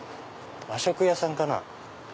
和食屋さんかな。